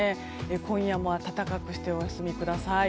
今夜も暖かくしてお休みください。